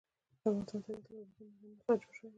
د افغانستان طبیعت له اوبزین معدنونه څخه جوړ شوی دی.